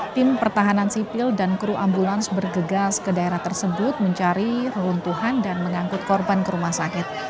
tim pertahanan sipil dan kru ambulans bergegas ke daerah tersebut mencari runtuhan dan mengangkut korban ke rumah sakit